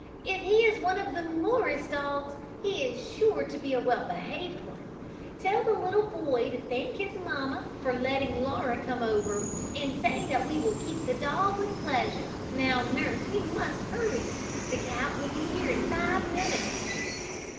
"If he is one of the Morris dogs, he is sure to be a well behaved one. Tell the little boy to thank his mamma for letting Laura come over, and say that we will keep the dog with pleasure. Now, nurse, we must hurry; the cab will be here in five minutes."